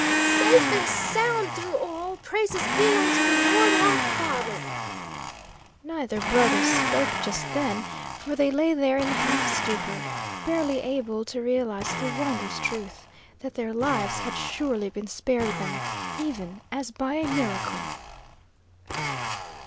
"Safe and sound through all, praises be unto the Lord, our Father!" Neither brother spoke just then, for they lay there in half stupor, barely able to realise the wondrous truth: that their lives had surely been spared them, even as by a miracle!